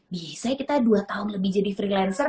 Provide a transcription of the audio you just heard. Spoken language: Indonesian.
biasanya kita dua tahun lebih jadi freelancer